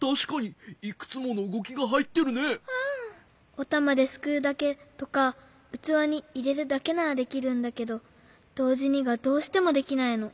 おたまですくうだけとかうつわにいれるだけならできるんだけどどうじにがどうしてもできないの。